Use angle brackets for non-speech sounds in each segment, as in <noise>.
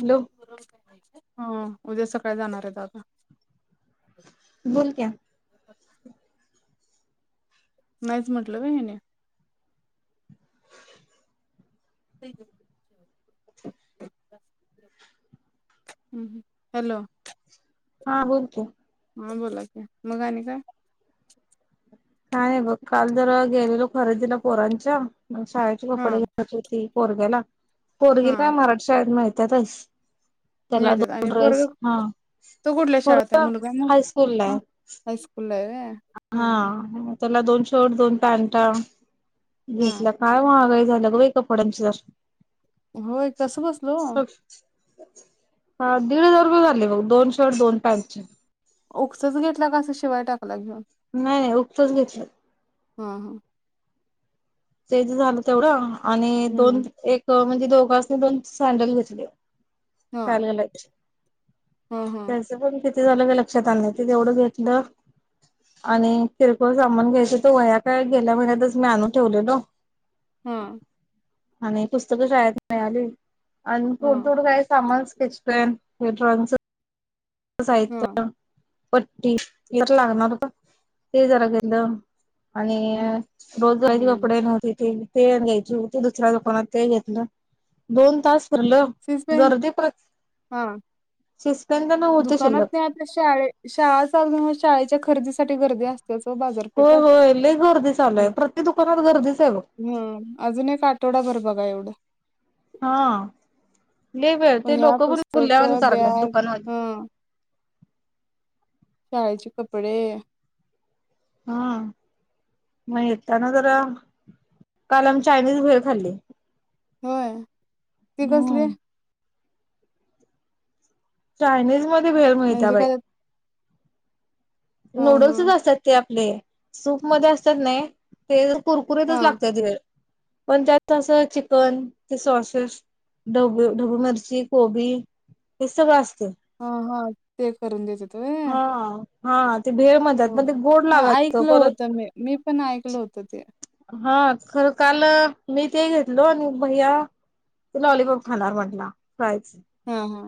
Hello हो, उद्या सकाळी जाणार आहेत दादा. बोल क्या. नाहीच म्हटलं का हीने? हॅलो हा बोलत की ह बोला की मग आणि काय? काय नाही बघ. काल जरा गेलेलो खरेदीला पोरांच्या. मग शाळेचे हा कपडे घ्यायची होती. पोरग्याला पोरगिला मराठी शाळेत माहित त्यातच मिळते आणि प तो कुठल्या शाळात आहे पोरगा मुलगा हायस्कूल ला आहे ना हायस्कूल ला आहे. व्हय हा. हम्म त्याला दोन शर्ट दोन पॅन्ट. हम्म घेतलं काय महागा <unintelligible> होय कसं बसलो हा दीड हजार रुपये झाले ब दोन शर्ट दोन पॅनटचे उकसच घेतला कासां शिवाय टाकला घेऊन. नाही नाही उगतच घेतलं. हा हा. ते तर झालं तेवढं आणि दोन, हम्म एक म्हणजे? दोघासने दोन सँडल घेतले. हा शाळेला घालायचे. हा हा पैसे पण किती? ते झालं का लक्षात आण ते तेवढं घेतलं आणि किरकोळ सामान घ्यायच तो वया का गेल्या महिन्यातच मी आणून ठेवलेल. हम. आणि पुस्तक शाळेत मिळाली. आणि हा थोडंथोडं काय सामान <unintelligible> हा साहित्य पट्टी यार लागणार का ते जरा गेलं. आणि रोजगयचे हम्म कपडे नव्हते ते. ते घ्यायची होती दुसऱ्या दुकानात ते घेतलं दोन तास लो सीस पेन गरदीे प्र हा <unintelligible> दुकानात शिल्लक नाही आता शा शाळा चाल शाळेच्या खरेदीसाठी गर्दी अस बाजारपेठ होय होय लई गर्दी चालू आहे प्रत्येक दुकानात गर्दीच आहे बघ अजून एक आठवडाभर बघा एवढ <unintelligible> हा. ल वे ते वह्या, लोकं पण पुस्तक, खुल्यावर <unintelligible> रला बॅग दुकान वा हं शाळेचे कपडे हा म्हण त्याना जरा काल आम चायनीज भेळ खाल्ली होय. ते कसले हम्म. चायनीज म भेळ मिळता म्हणजे बाई काय हं नूडल्सच हं असतात त्या ले सूप मध्ये असतात ने ते करकुरीतच हां लागतय ते पण त्यात असं चिकन ते सॉसेस ढब ढबू मिरची कोबी हे सगळं अस हा हा ते करून देतात होय. हा. हा. ते भेळ हो म्हणतात पण ते गोड लागायचं ऐकलं परत होतं म मी पण ऐकलं होत ते खर काल मी ते घेतलो आणि भैया ते लॉलीपॉप खाणार म्हंटला कायच हा हा.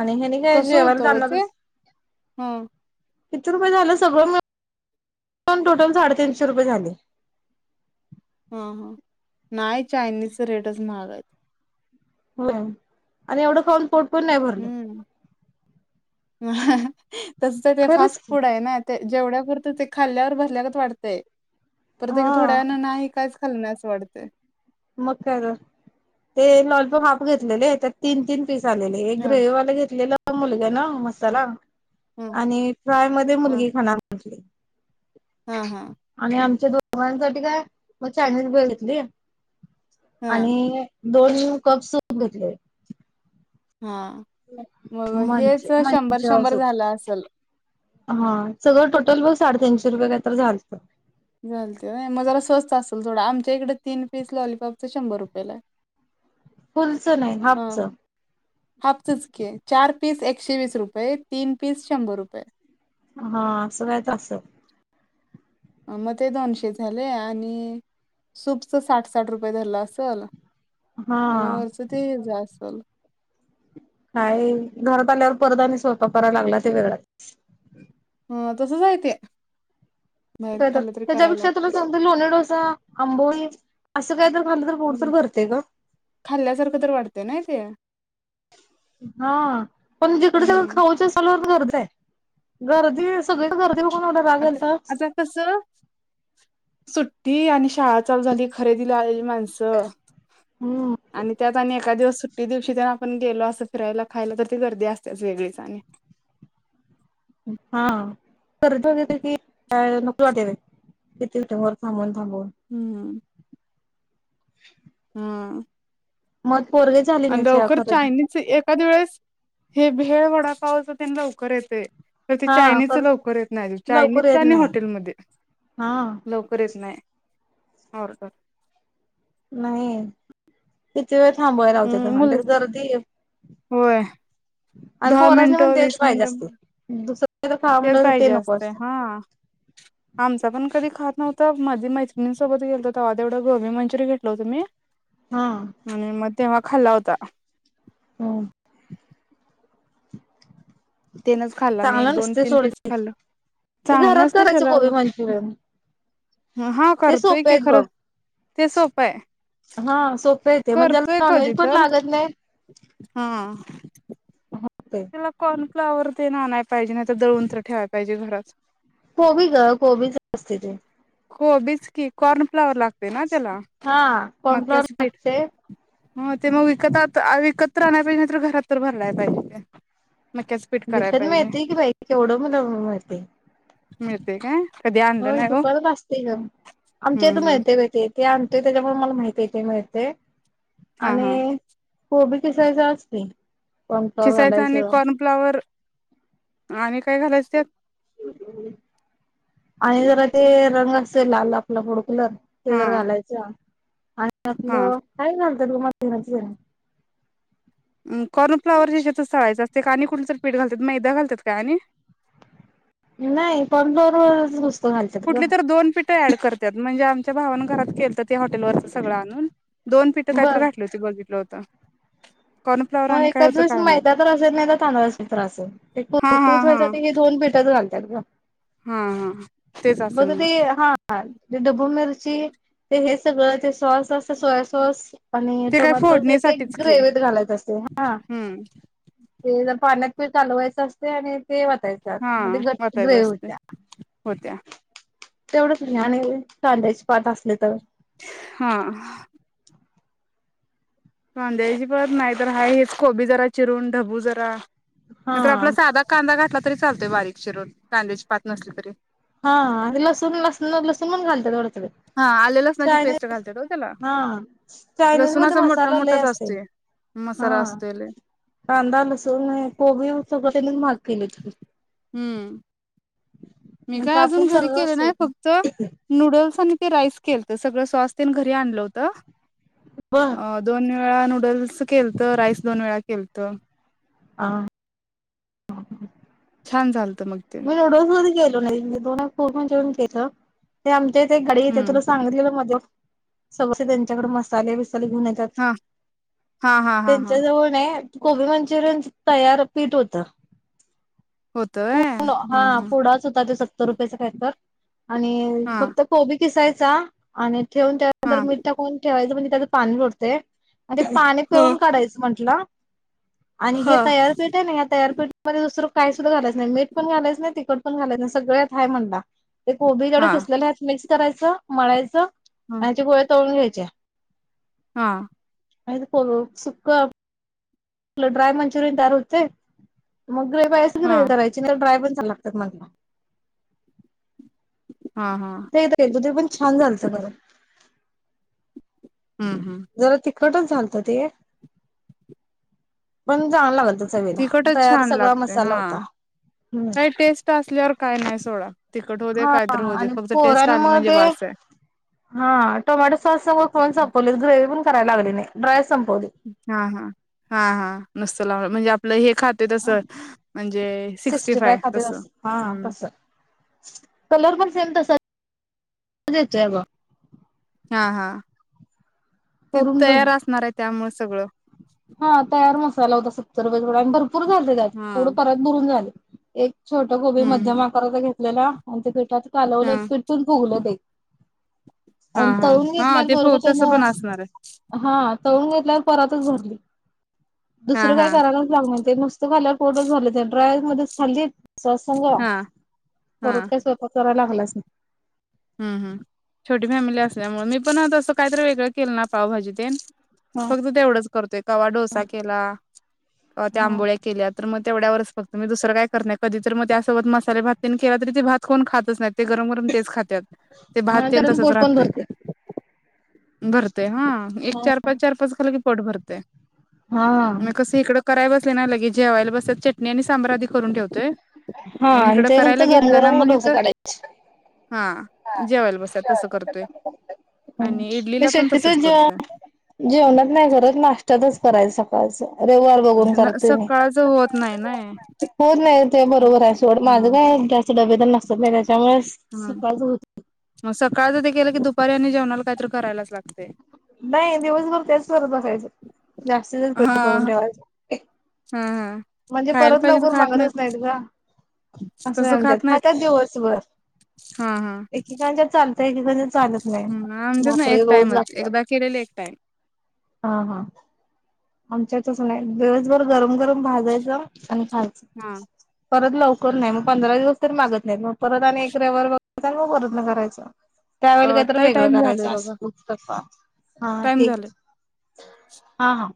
आणि हे जेवण चालणार स हं किती रुपये झालं सगळं टोटल साडेतीनशे रुपये झाले. हं नाही चायनीज रेटच महाग आहेत. हो आणि एवढं खाऊन पोट पण नाही भरल <unintelligible> तसग का फास्ट फूड आहे ना ते जेवढ्यापुरत ते खाल्ल्यावर भरल्यागत वाटतंय. प्रत्येक हा थोड्याना नाही काईच खालण्यास वाढते. मग का ते लॉलपॉप हाफ घेतलेले त्या तीन तीन तेच आलेले एक ग्रे हां वाल घेतलेल. मुलगा ना मसाला हां आणि फ्राय म हां मुलगी खाना म्हटली हां हां आणि आमच्या दोन तंसाठी काय मग छ भेळ घेतली हां आणि दोन कप सध घेतले हा मग मंच हेच शंभर मंच शंभर सूप झालं असल हा सगळं टोटल बघ साडेतीीनशे रुपये काही तर झालतं घलते मग जरा स्वस्त असेल थोडं आमच्या इकडे तीन पीस लॉलपॉपच शंभर रुपयेला फुलचं नाही हाफचं हाफचचकी चार पीस एकशे वीस रुपय, तीन पीस शंभर रुपय. हा असं कायतर असल. मग ते दोनशे झाले आणि सूपच साठ, साठ रुपय धरलं असल. आणि हा वरचं ते हेज असल. काय घरात आल्यावर परत आणि स्वयपाक कराय लागला ते वेगळाच. ह तसचाय ते. बाहेर काय खाल्लं तरी करायला त्याच्यापेक्षा तुला लागते. सांगतो लोणी डोसा, आंबोळी असं कायतर हम् खाल्ल्यासारखं तर वाटतय नाय ते. हा पण जिकड सगळ हम्म खाऊच सला गर्दी. गर्दी सगळीकडं गर्दी बघून एवढा राग आता आलता आता कस सुट्टी आणि शाळा चाल झाली खरेदीला आले ली माणसं हम्म आणि त्यात आणि एका दिवस सु ट्टी दिवशी तर आपण गेलो असं फिरायला, खायला तर ते गर्दी असत्याच वेगळीच आणि. हा परत <unintelligible> आणि नको वाटत किती वर थांबून थांबून हम्म <inaudible> हा मग पोरगी झाली आणि नाही लवकर खरेदी चायनीजच एक एखाद्या वेळेस हे भेळ, वडापावच तेन लवकर येतय. पण ते हा चायनीजच कर लवकर येत नाही, लवकर चायनीजच येत आणि नाही हॉटेलमध्ये हा लवकर येत नाही. म ओरडतात. नाही वेळ थांबयला लावत्यात, हम्म आणि मुल त्यात गर्दी होय आणि दहा पोरासनी पण मिनिटं तेच वीस पाहिजे मिनिटं असतय. दुस तेच पाहिजे असतय. हा आमचा पण कधी खात नव्हतं, मध्ये मैत्रिणीसोबत गेलतो तवा तेवढं गोबी मंचुरी घेतलं होतं मी. हा, आणि मग तेव्हा खाल्ला होता. हम्म. तेनच खाल्ला, मी एक, चांगलं दोन, नसतय तीन सोड पीस ते खाल्ल. ते चांगलं घरात नसतय करायचं कोबी शरीराला. मंचुरियन ह हा ते करतोय सोपे की आहेत खरं बघ ते सोपं आहे. हा सोपे आहे ते म्हणजे करतोय त्याला कधी नॉनव्हेज पण तर लागत नाही हा. होतय तेला कॉर्न- फॉवर तेन आणाय पाहिजे नाही तर, दळून तर ठेवाय पाहिजे घरात. कोबी गं कोबीच असते ते, को बीच. की कॉर्न फ्लावर लागते ना त्याला हा कॉर्नफ्लॉवर मक्याचपीठ? लागतय हो ते मगं विकत विक तर आणायला पाहिजे नाही तर घरात तर बनवायला पाहिजे ते. मक्याचं पीठ <inaudible> कराय पाहिजे ते. मिलतय काय? कधी आणलं होय नाही हो दुकानत असतय गं आमच्या हम्म हीत हम्म मिळतय गं ते आणतोय त्याच्यामुळे मला माहिती हाय. ते मिळतेय, हा हा आणि कोबी साय असते खिसायंच आणि कॉर्न फ्लावर आणि काय घालायच त्यात? आणि जरा ते रंग असे लाल आपला फुड कलर, ते हा जर घालायचं आणि हा आपलं काय घाल, <unintelligible> कॉर्नफ्ला च्या हेज्यातच चालायच अस--. ते काणी कुठच पीठ घालतात मैदा घालतात का आणि? नाही <inaudible> ग कुठली तर दोन पिठं ऍड करतात म्हणजे भावानं घरात केलतं ते हॉटेलवरच सगळं आणून दोन पीठं काहीतरी घातली होती बघितलं होतं. तर. <inaudible> हा चल हा हा का. हा हा. तेच बघ असेल ते मग हा. डबू मिरची ते हे सगळं ते सॉस सोया सॉस. आणि ते काय टोमॅटो अस ते फोडणीसाठीच की ग्रेवत घालायच असते हा हम्म ते. पाण्यात पि चालवायचं असते आणि ते वाटयच हा म्हणजे गट्ट वाटायच ग्रह असते होत्या. होत्या तेवढंच नाही आणि कांद्याचे पाात असले तर हा. कांद्याची पात नाही तर हा हेच खबी जरा चिरून ढबू जरा. हा म्र आपला साधा कांदा घातला. तरी चालतोय बारीकशी रोज कांद्याची पात नसली तरी. हा अेला सन सला स सुमन काालतात दोडत. हा आले लसणाची पेस्ट घालते हो त्याला हा चायनीज मध्ये लसूणाचा मोठा मसाला लय मोठाच असते. हा कांदा लसूण कोबी सगळं. जे. केलेत. हम्म मी नंतर काय आपण अजून घरी सगळं केलं असतो नाही फक्त नूडल्स आणि ते राईस केल तर सगळ स्वास्यने घरी आणलं होतं. ब अ दोन्. वेळा नूडल्स केलत राईस दोन वेळा केलत. ह. ह छान चालत. मी एवढो सो के दोनूर् जेवन घेत ते आमच्या. ते गडीेते हम्म तुला सांगत गेलं मध्ये स त्यांच्याकडे मसाले. येतात हा हा हा हा त्यांच हा जवन आहे. गोबी मंचुरियन तयार पीठ होत. हो. हा पुोडाच होता ते सत्तर रुपयाेचा खही तर आणि हा फक्त कोबी किसायचा आणि ठेवून त्यानंतर हा मिीठ कोण ठेवायचं म्हण त्यात पाणी लडते. आणि पाणी पिऊून ह काढायचं म्हटलं. आणि ह जे तयारपीठ आहे ना या तयारपीठमध्येध्ये दुसरं काही सुद्धा करायच नाही मीठ पण घालायच नाही तिकड पण घालायच नाही सगळत हाय म्हणला ते कोबी जोड हा खेसलेला मिस करायचं मळायचं आणि ते गोळ्या तळून घ्यायचे च्या हा अ पोलो सुख ड्राय मंचुरयन दार होते मग हा कय ड्राय् मंचुरी गत म्हटला हा हा नाही तर येतो ते पण छान झालतं खरं हम्म हम्म जरा तिकटच चालतं ते पण चांगलं लागलतं चवीला तिकटच तयार छान सगळा लागते मसाला हा होता हम्म काही टेस्ट असल्यावर काय नाही सोडा तिखट होऊ दे हा काय तर होऊ दे आणि फक्त टेस्ट आली पोरांमुळे म्हणजे ते बास आहे हा टोमॅटो सॉस सगळं खन सापवलेत ग्रेवी पण कराय लागली नाय ड्राय संपवली. हा हा हा हा नस्त म्हणजे आपलं हे खाते फा तसं म्हणजे सिक्स्टी फाय तसं हम्म कलर पण सेम बजचे गो हा हा तिथ करून बघ तयार असणार आहे त्यामुळे सगळं तरथोर र झा त्या हा एवढं परत बुरून झाले एक छोट गोबी मध्यम हम्म आकारात घेत ला भेटात कालवलत हम्म पिरतून भोगलंत हा हा हा ते फ तस त्याला पण असणार आहे हा तळून घेतल्यावर परतच भरली हा दुसरं हा काय करायलाच लागणार ते नुस्त खाल्ल्यावर पर्टच झालं ड्राय मध्येच खाल्ली सांग हा हा परत काय स्वयपा चोरायलागलासा हम्म हम्म छोटी फॅमिली असल्यामुळे मी पण तसं काहीतरी वेगळं केलं नाय पावभाजी ते हा फक्त तेवढंच करतोय कवा डोसा केला, त्या हा आंबोळ्या केल्या त म तेवढ्या वरच फक्त मी दुसरं काय कर नाही कधी तर मग त्या सोबत मसाले भात तेन केला तरी ते भात कोण खातच नाहीत. ते गरम गरम तेच खातात. हा त्या अजून पोट पण भरते. परत. हा एक चार पाच चार पाच खाउन‌घेतय. पोट भरतय. हा म कस इकडं कराय बसले ना लगेच जेवायला बसत चटणी आणि सांबर आधी करून ठेवते. हा आणि ते फक्त गरमगरमच ढोसे इथं काढायचे. हा जेवायला बसल्यावर तस करतोय आणि ते इडलीला पण शक्यतो तसंच जेव करतोय जेवणच नाही करत, नाश्त्याातच करायचं सकाळी. अस <inaudible> सकाळच होत नाही नाय. होत नाही ते बरोबर आहे सोड माझं हा. काय डबे तर नसतात त्याच्यामुळे होत. म सकाळच ते केलं की दुपारी आणि जेवणाला काहीतरी करायलाच लागते. नाही दिवसभर त्याच करत बसायचं जास्तीत जास्त करून हा ठेवायच. हा. म्हणजे खायला परत पाहिजे तर लवकरून खात मागतच नाहीत का? असं तसं म्हणतात खात नाहीत खात्यात दिवसभर हा हा एक एकच्यात चाल पीकाची चालत नाही आमच्यात भात ना एक रोज टाइमच लागतात, एकदा केलेले एक टाइम. हा हा. आमच्यात तस नाही दिवसभर गरम, गरम भाजायचं आणि खायचं. हा. परत लवकर नाही मग पंधरा दिवस तरी मागत नाहीत मग परत आणि एक रवीवार बघयचा मग परत न करायच. त्यावेळी अ काहीत ताई वेगळं टाइम झालंय करायचं अस बघा उत्तप्पा. हा टाइम झालाय. ठीके. हा हा.